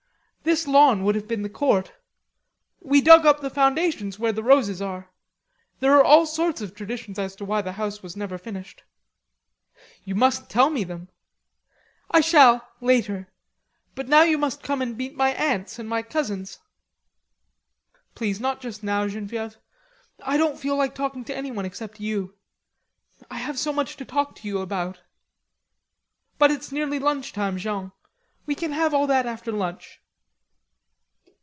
This lawn would have been the court. We dug up foundations where the roses are. There are all sorts of traditions as to why the house was never finished." "You must tell me them." "I shall later; but now you must come and meet my aunt and my cousins." "Please, not just now, Genevieve.... I don't feel like talking to anyone except you. I have so much to talk to you about." "But it's nearly lunch time, Jean. We can have all that after lunch."